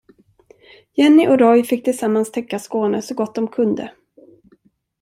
Jenny och Roy fick tillsammans täcka Skåne så gott de kunde.